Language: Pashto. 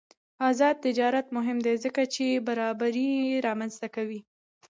آزاد تجارت مهم دی ځکه چې برابري رامنځته کوي.